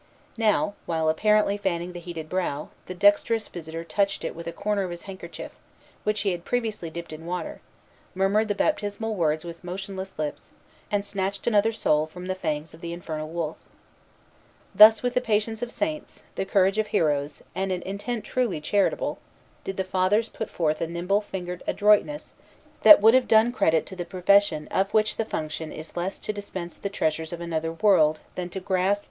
Now, while apparently fanning the heated brow, the dexterous visitor touched it with a corner of his handkerchief, which he had previously dipped in water, murmured the baptismal words with motionless lips, and snatched another soul from the fangs of the "Infernal Wolf." Thus, with the patience of saints, the courage of heroes, and an intent truly charitable, did the Fathers put forth a nimble fingered adroitness that would have done credit to the profession of which the function is less to dispense the treasures of another world than to grasp those which pertain to this.